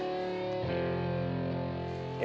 terima kasih om